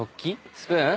スプーン？